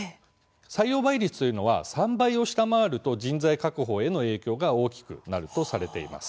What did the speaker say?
採用倍率というのは３倍を下回ると人材確保への影響が大きくなるとされています。